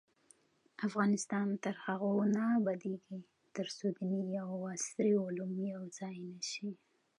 افغانستان تر هغو نه ابادیږي، ترڅو دیني او عصري علوم یو ځای نشي.